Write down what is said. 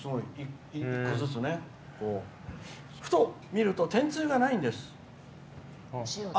ふと見ると、天つゆがないんです。